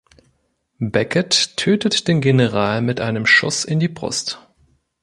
Beckett tötet den General mit einem Schuss in die Brust.